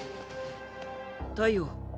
太陽。